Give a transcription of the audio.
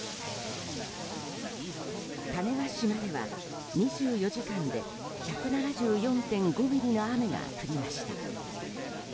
種子島では２４時間で１７４．５ミリの雨が降りました。